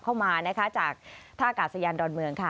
เข้ามาจากท่าอากาศยานดอนเมือง